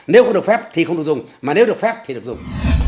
nếu có được phép thì không được dùng mà nếu được phép thì được dùng